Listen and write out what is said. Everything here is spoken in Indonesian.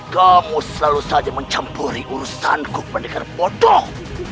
kamu selalu saja mencampuri urusanku pendekar bodoh